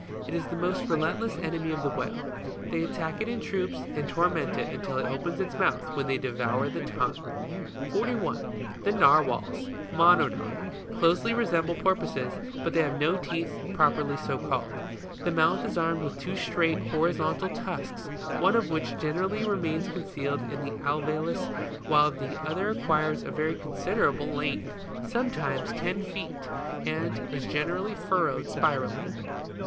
It is the most relentless enemy of the whale. They attack it in troops, and torment it until it opens its mouth, when they devour the tongue. 41. The NARWHALS, Monodon, closely resemble porpoises, but they have no teeth properly so called. The mouth is armed with two straight, horizontal tusks, one of which generally re mains concealed in the alveolus while the other acquires a very considerable length, sometimes ten feet, and is generally furrowed spirally.